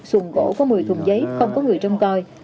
một xuồng gỗ có một mươi thùng giấy không có người trông coi